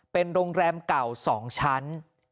เป็นโรงแรมเก่า๒ชั้น